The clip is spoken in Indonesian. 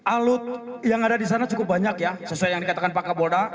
alut yang ada di sana cukup banyak ya sesuai yang dikatakan pak kapolda